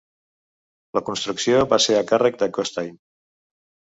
La construcció va ser a càrrec de Costain.